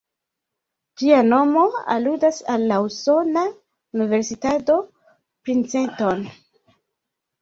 Ĝia nomo aludas al la usona Universitato Princeton.